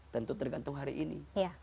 tentu tergantung hari ini